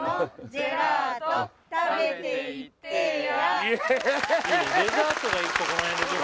「ジェラート食べていってや！」